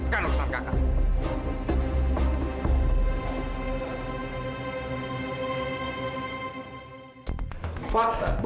kan urusan kakak